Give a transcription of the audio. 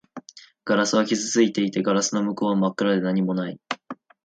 ガラスは傷ついていて、ガラスの向こうは真っ暗で何もない